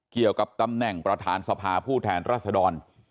เกี่ยวกับตำแหน่งประธานสภาผู้แทนรัศดร